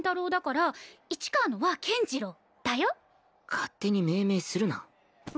勝手に命名するな。